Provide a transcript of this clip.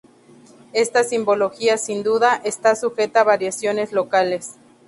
Esta simbología, sin duda, está sujeta a variaciones locales.